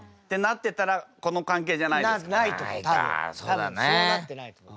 多分そうなってないと思う。